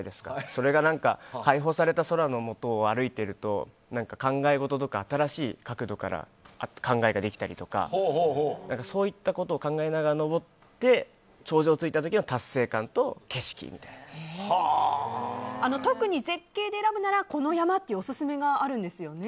それが開放された空のもとを歩いてると考え事とか新しい角度から考えができたりとかそういったことを考えながら登って頂上に着いた時の達成感と特に絶景で選ぶならこの山っていうオススメがあるんですよね。